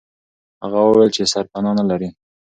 هغه وویل چې سرپنا نه لري.